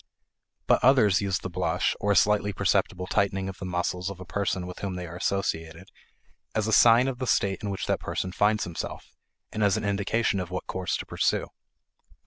But others use the blush, or a slightly perceptible tightening of the muscles of a person with whom they are associated, as a sign of the state in which that person finds himself, and as an indication of what course to pursue.